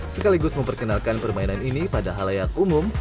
sekaligus memperkenalkan permainan ini pada halayak umum